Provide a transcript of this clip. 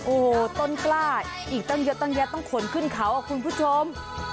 โอ้โหต้นกล้าอีกตั้งเยอะตั้งแยะต้องขนขึ้นเขาอ่ะคุณผู้ชม